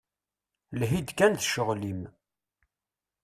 Lhi-d kan d ccɣel-im.